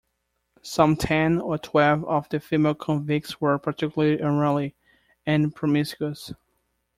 Some ten or twelve of the female convicts were particularly unruly, and promiscuous.